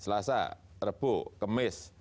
selasa repu kemis